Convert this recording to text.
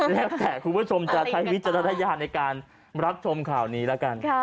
แล้วแต่คุณผู้ชมจะใช้วิจารณญาณในการรับชมข่าวนี้แล้วกัน